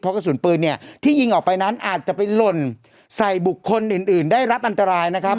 เพราะกระสุนปืนเนี่ยที่ยิงออกไปนั้นอาจจะไปหล่นใส่บุคคลอื่นได้รับอันตรายนะครับ